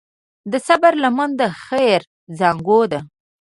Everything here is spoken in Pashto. د صبر لمن د خیر زانګو ده.